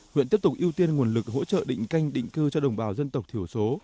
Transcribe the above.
huyện tiếp tục ưu tiên nguồn lực hỗ trợ định canh định cư cho đồng bào dân tộc thiểu số